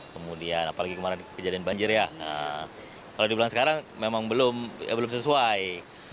kemudian apalagi kemarin kejadian banjir ya kalau dibilang sekarang memang belum sesuai